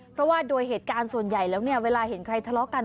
เพราะว่าโดยเหตุการณ์ส่วนใหญ่แล้วเนี่ยเวลาเห็นใครทะเลาะกัน